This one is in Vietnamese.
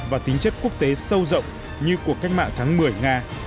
và tính chất quốc tế sâu rộng như cuộc cách mạng tháng một mươi nga